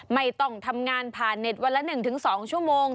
ไม่ต้องทำงานผ่านเน็ตวันละ๑๒ชั่วโมง